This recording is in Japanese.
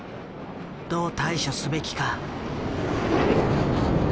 どう対処すべきか。